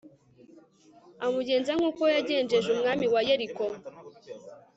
amugenza nk'uko yagenjeje umwami wa yeriko